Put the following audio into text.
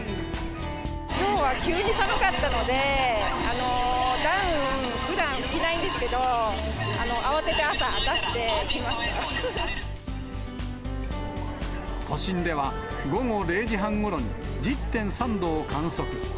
きょうは急に寒かったので、ダウン、ふだん着ないんですけど、慌てて朝、都心では、午後０時半ごろに、１０．３度を観測。